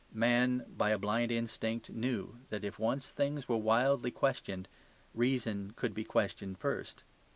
Man, by a blind instinct, knew that if once things were wildly questioned, reason could be questioned first.